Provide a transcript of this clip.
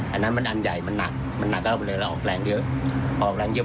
อันนั้นมันอันใหญ่มันหนักมันหนักแล้วเราออกแรงเยอะ